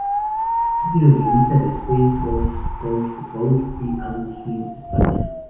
Ha sido guionista de Space Ghost Coast to Coast y Adult Swim España.